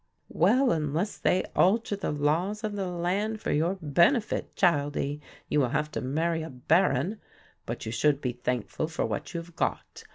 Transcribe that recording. "Well, unless they alter the laws of the land for your benefit, childie, you will have to marry a baron; but you should be thankful for what you have got.